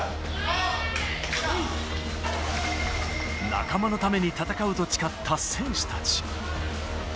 仲間のために戦うと誓った選手たち。